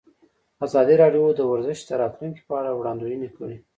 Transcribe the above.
ازادي راډیو د ورزش د راتلونکې په اړه وړاندوینې کړې.